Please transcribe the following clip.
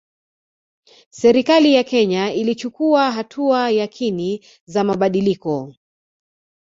Serikali ya Kenya ilichukua hatua yakini za mabadiliko